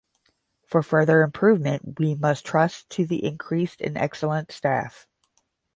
For further improvement we must trust to the increased and excellent staff.